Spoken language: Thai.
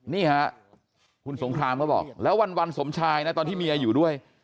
นี่ฮะคุณสงครามก็บอกแล้ววันสมชายนะตอนที่เมียอยู่ด้วย